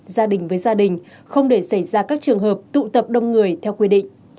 gia đình với gia đình không để xảy ra các trường hợp tụ tập đông người theo quy định